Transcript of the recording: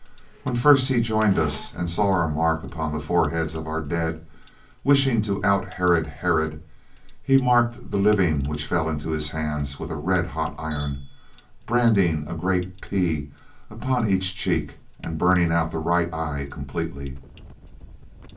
When first he joined us and saw our mark upon the foreheads of our dead, wishing to out Herod Herod, he marked the living which fell into his hands with a red hot iron, branding a great P upon each cheek and burning out the right eye completely.